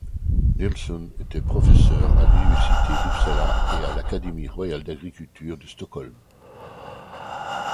Nilson était professeur à l'université d'Uppsala et à l'académie royale d'agriculture de Stockholm.